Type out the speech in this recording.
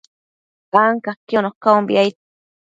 ancaquiono caumbi, aid